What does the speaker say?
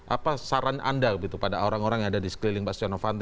apa saran anda gitu pada orang orang yang ada di sekeliling mbak setia novanto